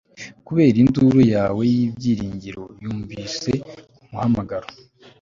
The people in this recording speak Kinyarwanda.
kubera induru yawe y'ibyiringiro, yumvise umuhamagaro